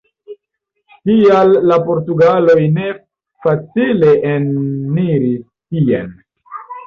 Tial la portugaloj ne facile eniris tien.